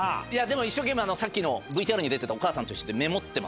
でも一生懸命さっきのＶＴＲに出てたお母さんと一緒で。